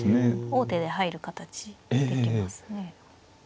王手で入る形できますね。